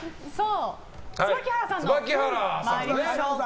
椿原さん、参りましょうか。